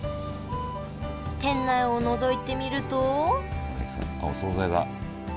店内をのぞいてみるとあっお総菜だ。